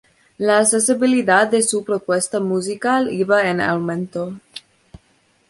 La accesibilidad de su propuesta musical iba en aumento.